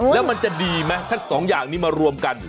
แล้วมันจะดีไหมถ้าสองอย่างนี้มารวมกัน